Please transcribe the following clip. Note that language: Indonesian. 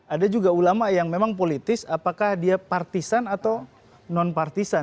ada juga ulama yang memang politis apakah dia partisan atau non partisan